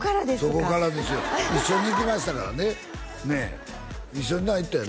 そこからですよ一緒に行きましたからねねえ一緒にな行ったよな？